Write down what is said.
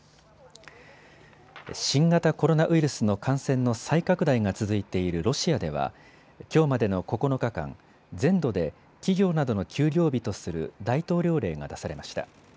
新型コロナウイルスの感染の再拡大が続いているロシアではきょうまでの９日間、全土で企業などの休業日とする大統領令が出されました。